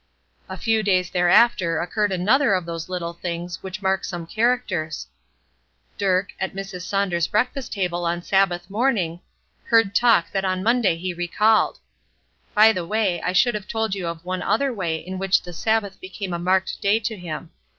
A few days thereafter occurred another of those little things which mark some characters. Dirk, at Mrs. Saunders' breakfast table on Sabbath morning, heard talk that on Monday he recalled. By the way, I should have told you of one other way in which the Sabbath became a marked day to him.